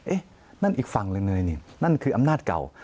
เอ๊ะนั่นอีกฝั่งเลยนั่นคืออำนาจเก่า